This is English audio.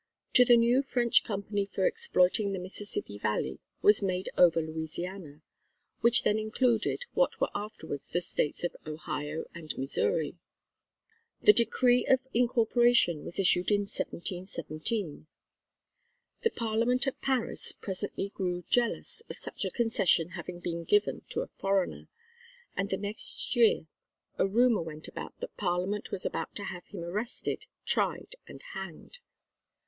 To the new French Company for exploiting the Mississippi Valley was made over Louisiana (which then included what were afterwards the States of Ohio and Missouri). The Decree of Incorporation was issued in 1717. The Parliament at Paris presently grew jealous of such a concession having been given to a foreigner; and the next year a rumour went about that Parliament was about to have him arrested, tried, and hanged.